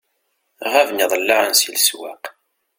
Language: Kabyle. Ɣaben iḍellaɛen si leswaq.